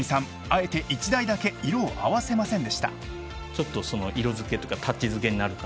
あえて１台だけ色を合わせませんでした］